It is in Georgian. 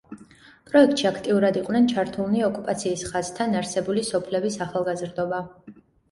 პროექტში აქტიურად იყვნენ ჩართულნი ოკუპაციის ხაზთან არსებული სოფლების ახალგაზრდობა.